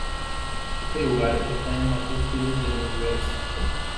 Este lugar está en la cúspide del universo.